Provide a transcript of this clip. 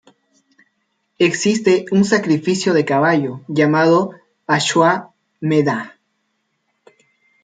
Existe un sacrificio de caballo, llamado "ashua-medhá".